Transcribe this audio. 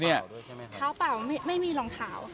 เท้าเปล่าไม่มีรองเท้า